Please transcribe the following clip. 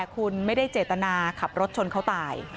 คุณไม่ได้เจตนาขับรถชนเขาตาย